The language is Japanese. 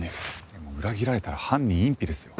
でも裏切られたら犯人隠避ですよ。